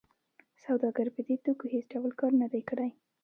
سوداګر په دې توکو هېڅ ډول کار نه دی کړی